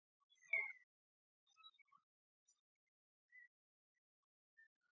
განსაკუთრებული სილამაზით ეს ალი ჩანს ღამე.